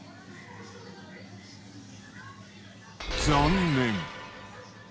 残念。